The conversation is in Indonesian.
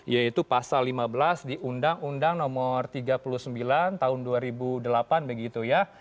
yaitu pasal lima belas di undang undang nomor tiga puluh sembilan tahun dua ribu delapan begitu ya